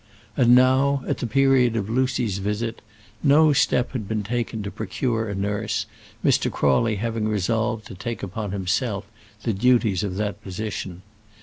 And now, at the period of Lucy's visit, no step had been taken to procure a nurse, Mr. Crawley having resolved to take upon himself the duties of that position.